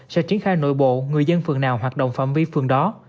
sẽ triển khai nội bộ người dân phường nào hoạt động phạm vi phường đó